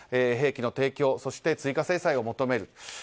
兵器の提供、そして追加制裁を求めると。